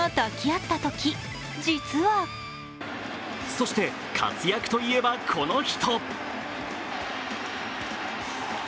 そして活躍といえば、この人。